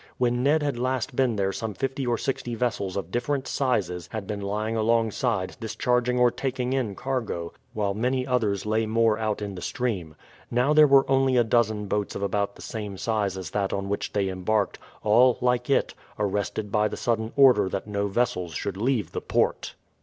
When Ned had last been there some fifty or sixty vessels of different sizes had been lying alongside discharging or taking in cargo, while many others lay more out in the stream. Now there were only a dozen boats of about the same size as that on which they embarked, all, like it, arrested by the sudden order that no vessels should leave the port.